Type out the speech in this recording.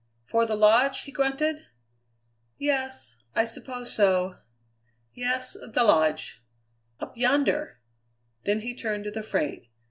"For the Lodge?" he grunted. "Yes I suppose so. Yes, the Lodge." "Up yonder." Then he turned to the freight.